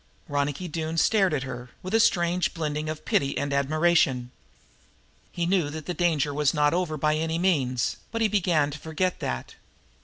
Ronicky Doone stared at her, with a strange blending of pity and admiration. He knew that the danger was not over by any means, but he began to forget that.